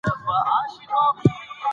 نور یې د عربو متحدینو سره واټن ګڼي.